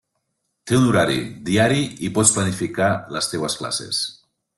Té un horari, diari i pots planificar les teues classes.